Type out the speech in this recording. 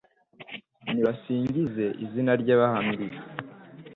Nibasingize izina rye bahamiriza